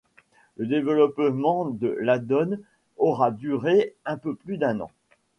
Le développement de l'add-on aura duré un peu plus d'un an.